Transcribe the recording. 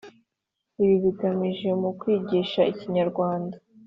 Ibi bigamijwe mu kwigisha ikinyarwanda